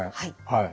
はい。